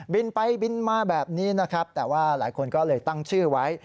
บินไปบินมาแบบนี้นะครับแต่ว่าหลายคนก็เลยตั้งชื่อไว้